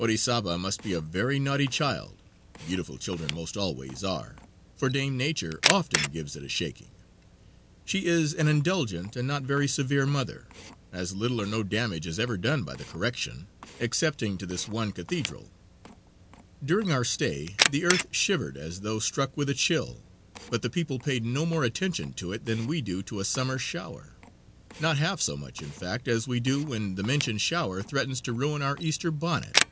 Orizaba must be a very naughty child beautiful children most always are for Dame Nature often gives it a shaking. She is an indulgent and not very severe mother, as little or no damage is ever done by the correction, excepting to this one cathedral. During our stay the earth shivered as though struck with a chill, but the people paid no more attention to it than we do to a summer shower; not half so much, in fact, as we do when the mentioned shower threatens to ruin our Easter bonnet.